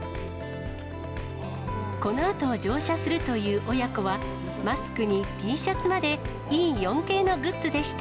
このあと、乗車するという親子は、マスクにＴシャツまでＥ４系のグッズでした。